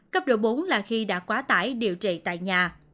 cấp độ bốn là khi đã quá tải điều trị tại nhà